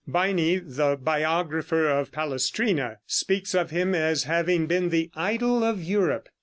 Baini, the biographer of Palestrina, speaks of him as having been the idol of Europe.